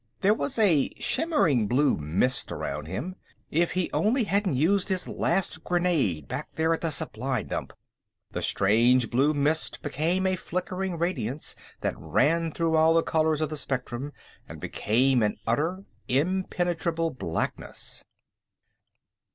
There was a shimmering blue mist around him. If he only hadn't used his last grenade, back there at the supply dump.... The strange blue mist became a flickering radiance that ran through all the colors of the spectrum and became an utter, impenetrable blackness....